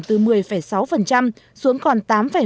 từ một mươi sáu xuống còn tám một mươi một